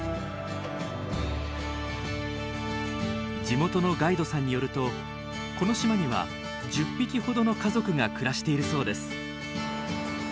地元のガイドさんによるとこの島には１０匹ほどの家族が暮らしているそうです。